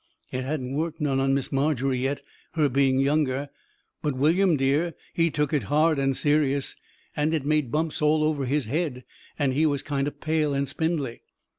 It hadn't worked none on Miss Margery yet, her being younger, but William Dear he took it hard and serious, and it made bumps all over his head, and he was kind o' pale and spindly.